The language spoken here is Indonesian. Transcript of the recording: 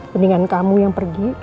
mendingan kamu yang pergi